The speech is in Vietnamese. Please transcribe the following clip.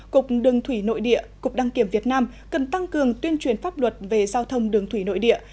cục đường thủy nội địa cục đăng kiểm việt nam cần tăng cường tuyên truyền pháp luật về giao thông đường thủy nội địa